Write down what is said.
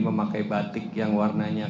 memakai batik yang warnanya